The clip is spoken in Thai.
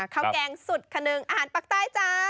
แกงสุดขนึงอาหารปากใต้จ้า